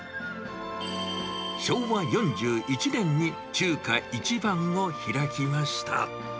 昭和４１年に中華一番を開きました。